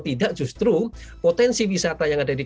tidak justru potensi wisata yang ada di